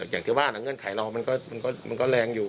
อย่างที่ว่าเงื่อนไขเรามันก็แรงอยู่